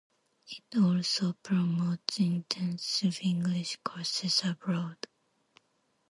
It also promotes intensive English courses abroad.